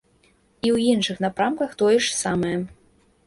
І ў іншых напрамках тое ж самае.